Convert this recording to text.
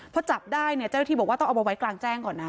พอจับได้เนี่ยเจ้าหน้าที่บอกว่าต้องเอามาไว้กลางแจ้งก่อนนะ